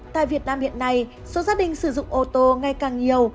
tại việt nam hiện nay số gia đình sử dụng ô tô ngay càng nhiều